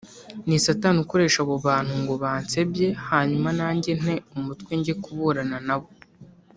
ni satani ukoresha abo bantu ngo bansebye hanyuma nanjye nte umutwe njye kuburana na bo